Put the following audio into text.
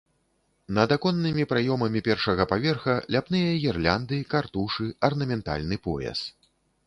Над аконнымі праёмамі першага паверха ляпныя гірлянды, картушы, арнаментальны пояс.